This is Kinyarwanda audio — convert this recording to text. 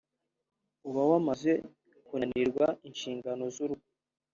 uba wamaze kunanirwa inshingano z’urugo